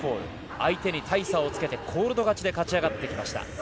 相手に大差をつけてコールド勝ちで勝ち上がってきました。